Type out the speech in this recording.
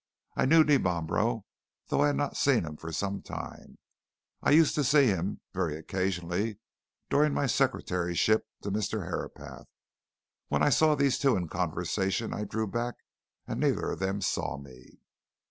I knew Dimambro, though I had not seen him for some time I used to see him, very occasionally, during my secretaryship to Mr. Herapath. When I saw these two in conversation, I drew back, and neither of them saw me.